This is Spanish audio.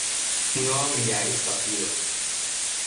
no habríais partido